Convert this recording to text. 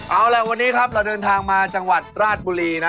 เอาล่ะวันนี้ครับเราเดินทางมาจังหวัดราชบุรีนะ